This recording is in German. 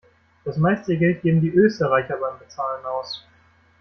Das meiste Geld geben die Österreicher beim Bezahlen aus.